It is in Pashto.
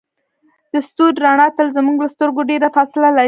د ستوري رڼا تل زموږ له سترګو ډیره فاصله لري.